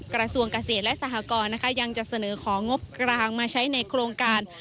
กระทรวงเกษตรและสหกรนะคะยังจะเสนอของงบกลางมาใช้ในโครงการ